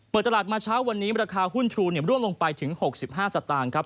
เปิดตลาดมาเช้าวันนี้ราคาหุ้นทรูร่วงลงไปถึง๖๕สตางค์ครับ